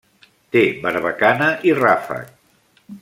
Té barbacana i ràfec.